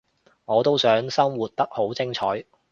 我都想生活得好精彩